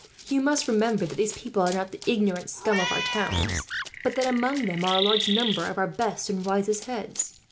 You must remember that these people are not the ignorant scum of our towns, but that among them are a large number of our best and wisest heads.